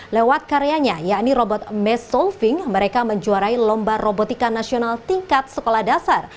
lewat karyanya yakni robot mes solving mereka menjuarai lomba robotika nasional tingkat sekolah dasar